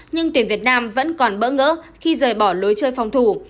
nhưng tuyển việt nam vẫn còn bỡ ngỡ khi rời bỏ lối chơi phòng thủ